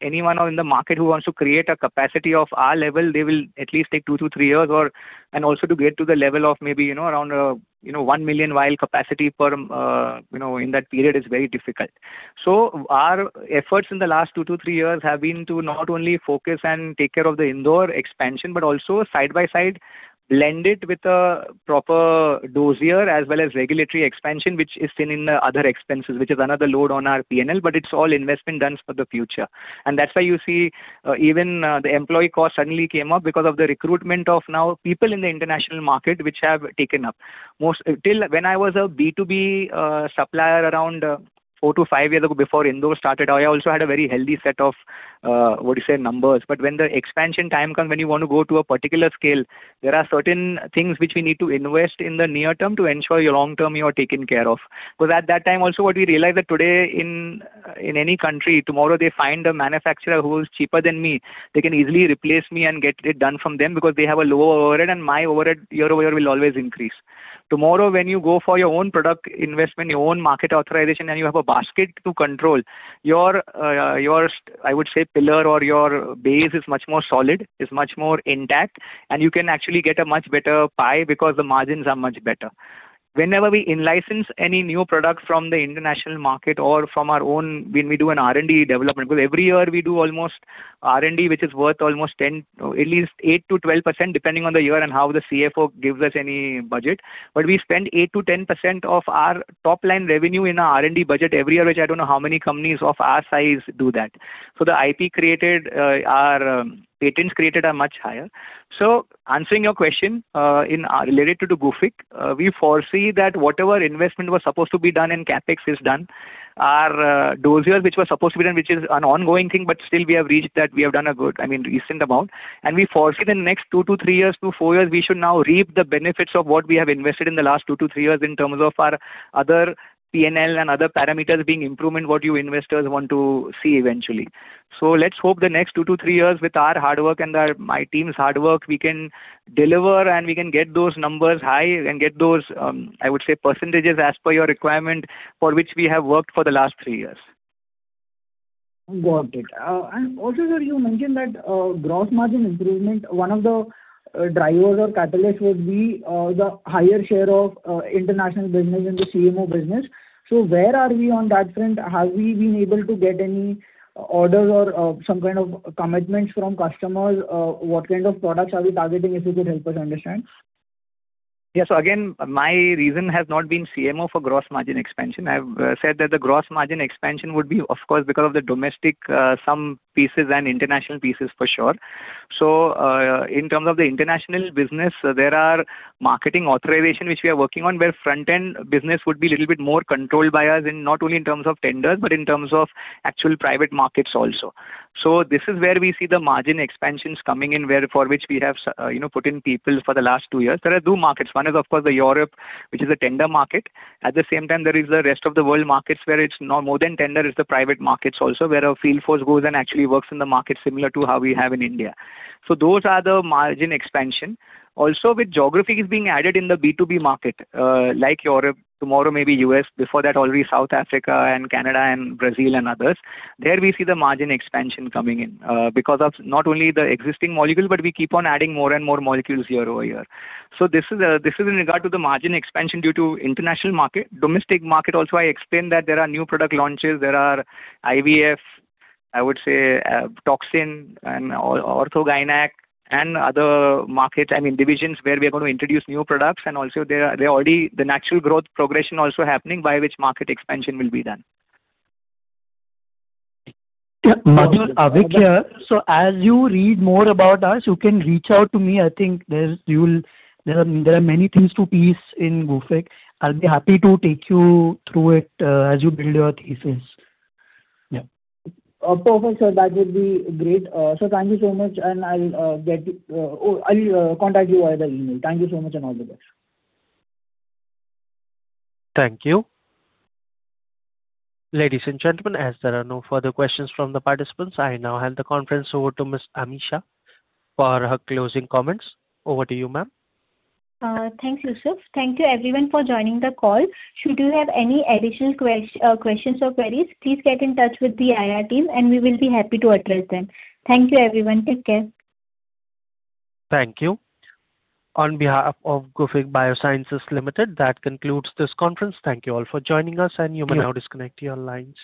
in the market who wants to create a capacity of our level, they will at least take two to three years. Also to get to the level of maybe around one million vial capacity in that period is very difficult. Our efforts in the last two to three years have been to not only focus and take care of the Indore expansion, but also side by side blend it with a proper dossier as well as regulatory expansion, which is seen in other expenses, which is another load on our P&L, but it's all investment done for the future. That's why you see even the employee cost suddenly came up because of the recruitment of now people in the international market which have taken up. When I was a B2B supplier around four to five years ago, before Indore started, I also had a very healthy set of, what do you say, numbers. When the expansion time comes, when you want to go to a particular scale, there are certain things which we need to invest in the near term to ensure your long term you are taken care of. At that time also what we realized that today in any country, tomorrow they find a manufacturer who is cheaper than me, they can easily replace me and get it done from them because they have a lower overhead and my overhead year-over-year will always increase. Tomorrow, when you go for your own product investment, your own market authorization, and you have a basket to control, your, I would say, pillar or your base is much more solid, is much more intact, and you can actually get a much better pie because the margins are much better. Whenever we in-license any new product from the international market or from our own when we do an R&D development. Because every year we do almost R&D, which is worth at least 8%-12%, depending on the year and how the CFO gives us any budget. We spend 8%-10% of our top-line revenue in our R&D budget every year, which I don't know how many companies of our size do that. The patents created are much higher. Answering your question related to Gufic, we foresee that whatever investment was supposed to be done in CapEx is done. Our dossiers which were supposed to be done, which is an ongoing thing, but still we have reached that. We have done a good, recent amount, and we foresee the next two to three years to four years, we should now reap the benefits of what we have invested in the last two to three years in terms of our other P&L and other parameters being improvement, what you investors want to see eventually. Let's hope the next two to three years with our hard work and my team's hard work, we can deliver, and we can get those numbers high and get those, I would say, % as per your requirement for which we have worked for the last three years. Got it. Also, sir, you mentioned that gross margin improvement, one of the drivers or catalysts would be the higher share of international business in the CMO business. Where are we on that front? Have we been able to get any orders or some kind of commitments from customers? What kind of products are we targeting? If you could help us understand. Again, my reason has not been CMO for gross margin expansion. I've said that the gross margin expansion would be, of course, because of the domestic some pieces and international pieces for sure. In terms of the international business, there are marketing authorization which we are working on, where front-end business would be a little bit more controlled by us, not only in terms of tenders, but in terms of actual private markets also. This is where we see the margin expansions coming in, for which we have put in people for the last two years. There are two markets. One is, of course, Europe, which is a tender market. At the same time, there is the rest of the world markets where it's more than tender, it's the private markets also, where our field force goes and actually works in the market similar to how we have in India. Those are the margin expansion. With geographies being added in the B2B market, like Europe, tomorrow maybe U.S., before that already South Africa and Canada and Brazil and others. There we see the margin expansion coming in because of not only the existing molecule, but we keep on adding more and more molecules year over year. This is in regard to the margin expansion due to international market. Domestic market also, I explained that there are new product launches. There are IVF, I would say toxin and ortho gynae and other markets and divisions where we are going to introduce new products and also there are already the natural growth progression also happening by which market expansion will be done. Madhur Avik here. As you read more about us, you can reach out to me. I think there are many things to piece in Gufic. I'll be happy to take you through it as you build your thesis. Yeah. Perfect, sir. That would be great. Sir, thank you so much, and I'll contact you via the email. Thank you so much and all the best. Thank you. Ladies and gentlemen, as there are no further questions from the participants, I now hand the conference over to Ms. Ami Shah for her closing comments. Over to you, ma'am. Thanks, Yusuf. Thank you everyone for joining the call. Should you have any additional questions or queries, please get in touch with the IR team and we will be happy to address them. Thank you everyone. Take care. Thank you. On behalf of Gufic Biosciences Limited, that concludes this conference. Thank you all for joining us and you may now disconnect your lines.